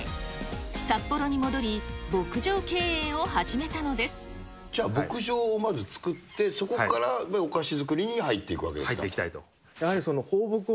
札幌に戻り、じゃあ、牧場をまず造って、そこからお菓子作りに入っていくわけですか。